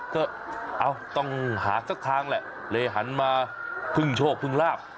ก็ต้องหาสักทางแหละเลยหันมาพึ่งโชคพึ่งลาบ